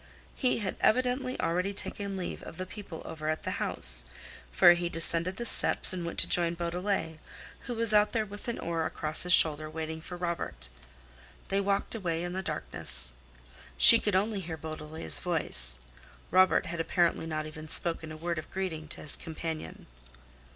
He had evidently already taken leave of the people over at the house, for he descended the steps and went to join Beaudelet, who was out there with an oar across his shoulder waiting for Robert. They walked away in the darkness. She could only hear Beaudelet's voice; Robert had apparently not even spoken a word of greeting to his companion.